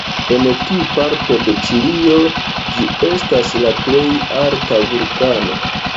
En tiu parto de Ĉilio, ĝi estas la plej alta vulkano.